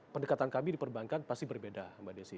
pendekatan kami di perbankan pasti berbeda mbak desi